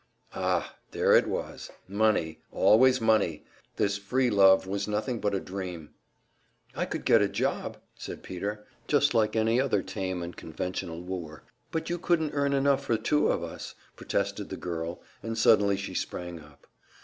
Ah, there it was! Money, always money! This "free love" was nothing but a dream. "I could get a job," said Peter just like any other tame and conventional wooer. "But you couldn't earn enough for two of us," protested the girl; and suddenly she sprang up.